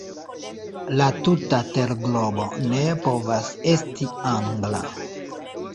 La tuta terglobo ne povas esti Angla.